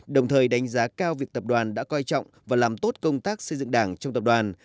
đồng thời đánh giá cao việc tập đoàn đã coi trọng và làm tốt công tác xây dựng đảng trong tập đoàn